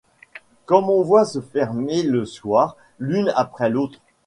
Comme on voit se fermer le soir l'une après l'autre